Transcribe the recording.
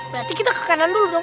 berarti kita ke kanan dulu dong